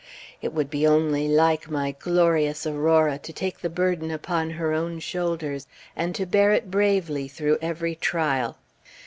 It would be only like my glorious Aurora to take the burden upon her own shoulders, and to bear it bravely through every trial."